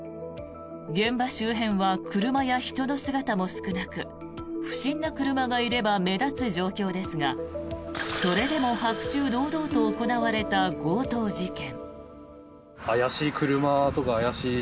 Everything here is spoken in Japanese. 現場周辺は車や人の姿も少なく不審な車がいれば目立つ状況ですがそれでも白昼堂々と行われた強盗事件。